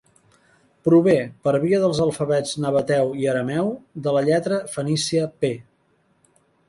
Prové, per via dels alfabets nabateu i arameu, de la lletra fenícia pe.